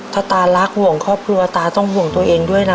ถ้าตารักห่วงครอบครัวตาต้องห่วงตัวเองด้วยนะ